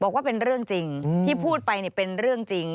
บอกว่าเป็นเรื่องจริงที่พูดไปเป็นเรื่องจริง